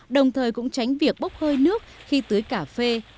đồng thời cũng tránh việc bốc hơi nước khi tưới cà phê